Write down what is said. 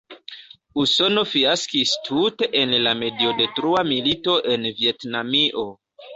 Usono fiaskis tute en la mediodetrua milito en Vjetnamio.